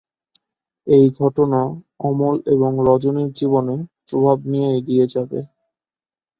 এই ঘটনা অমল এবং রজনীর জীবনে প্রভাব নিয়ে এগিয়ে গেছে।